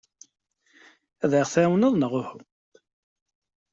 Ad aɣ-tɛawneḍ neɣ uhu?